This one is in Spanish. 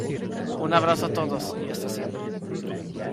Un abrazo a todos y hasta siempre.